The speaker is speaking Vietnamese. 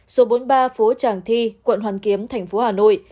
số bốn mươi ba phố tràng thi quận hoàn kiếm tp hà nội